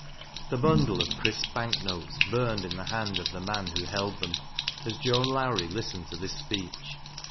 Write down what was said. The bundle of crisp bank notes biirned the hand of the man who held them, as Joan Lowrie listened to this speech.